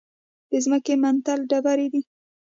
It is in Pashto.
د ځمکې منتل ډبرې دي.